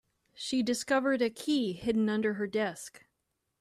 She discovered a key hidden under her desk.